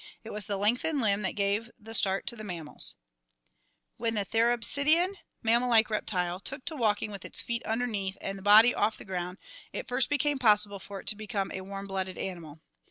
It was the lengthened limb that gave the start to the mammals. When the Therapsidan [mammal like reptile] took to walking with its feet underneath and the body off the ground it first became possible for it to become a warm blooded animal.